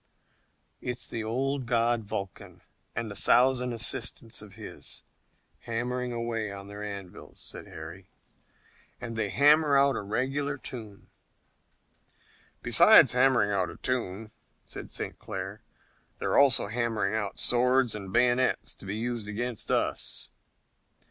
"It's the old god Vulcan and a thousand assistants of his hammering away on their anvils," said Harry, "and they hammer out a regular tune." "Besides hammering out a tune," said St. Clair, "they're also hammering out swords and bayonets to be used against us."